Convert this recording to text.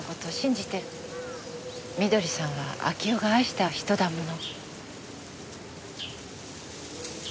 美登里さんは明夫が愛した人だもの。